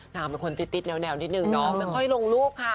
นางเป็นคนติดแนวนิดนึงเนาะไม่ค่อยลงรูปค่ะ